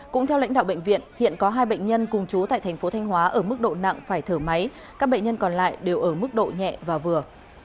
cũng theo lãnh đạo bệnh viện hiện có hai bệnh nhân cùng chú tại thành phố thanh hóa ở mức độ nặng phải thở máy các bệnh nhân còn lại đều ở mức độ nhẹ và vừa